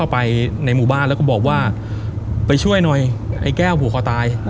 ไปในหมู่บ้านแล้วก็บอกว่าไปช่วยหน่อยไอ้แก้วผูกคอตาย